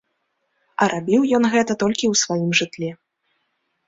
А рабіў ён гэта толькі ў сваім жытле.